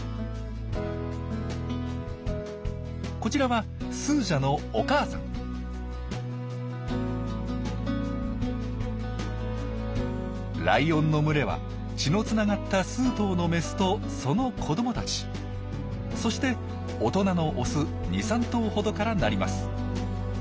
こちらはスージャのライオンの群れは血のつながった数頭のメスとその子どもたちそして大人のオス２３頭ほどからなります。